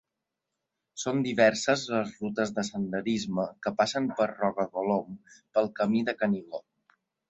Són diverses les rutes de senderisme que passen per Roca Colom, pel camí del Canigó.